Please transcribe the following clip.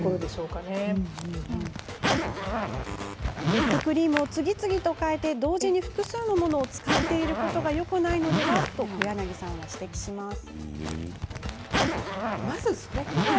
リップクリームを次々と替えて同時に複数のものを使っていることがよくないのではと小柳さんは指摘します。